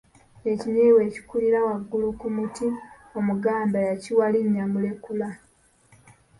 Ekinyeebwa ekikulira waggulu ku muti, Omuganda yakiwa linnya Mulekula.